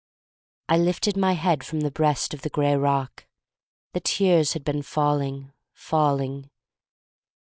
I lifted my head from the breast of the gray rock. The tears had been falling, falling.